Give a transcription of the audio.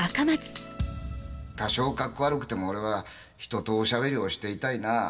多少かっこ悪くても俺は人とおしゃべりをしていたいな。